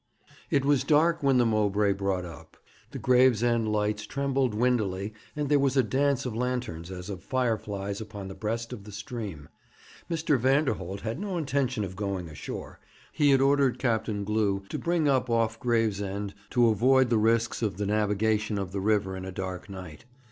It was dark when the Mowbray brought up. The Gravesend lights trembled windily, and there was a dance of lanterns as of fireflies upon the breast of the stream. Mr. Vanderholt had no intention of going ashore. He had ordered Captain Glew to bring up off Gravesend to avoid the risks of the navigation of the river in a dark night.